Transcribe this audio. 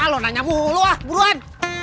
lo nanya lo ah buruan